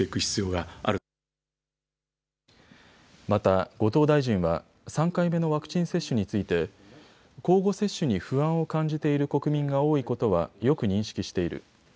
また後藤大臣は３回目のワクチン接種について交互接種に不安を感じている国民が多いことはよく認識している。